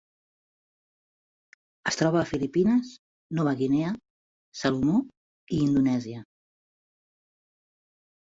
Es troba a Filipines, Nova Guinea, Salomó i Indonèsia.